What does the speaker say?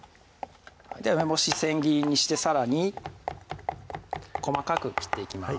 梅干し千切りにしてさらに細かく切っていきます